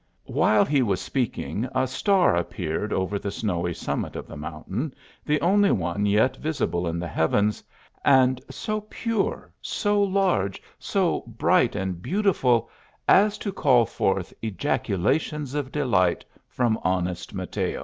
While he was speaking a star appeared over the snowy summit of the mountain, the only one yet visible in the heavens, and so pure, so large, so bright and beautiful as to call forth ejaculations of delight from honest Mateo.